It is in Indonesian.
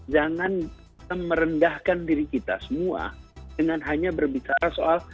jangan merendahkan diri kita semua dengan hanya berbicara soal